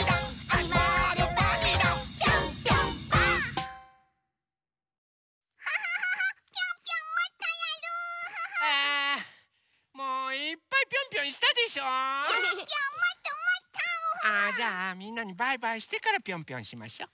あじゃあみんなにバイバイしてからピョンピョンしましょ。